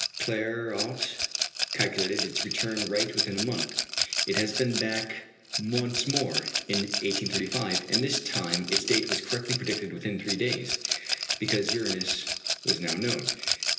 Clairaut calculated its return right within a month (p. 219). It has been back once more, in 1835; and this time its date was correctly predicted within three days, because Uranus was now known.